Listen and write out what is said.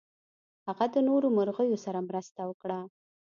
هغه د نورو مرغیو سره مرسته وکړه.